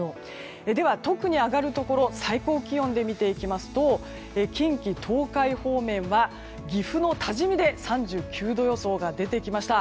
では、特に上がるところ最高気温で見ていきますと近畿・東海方面は岐阜の多治見で３９度予想が出てきました。